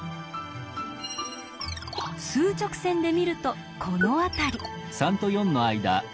数直線で見るとこの辺り。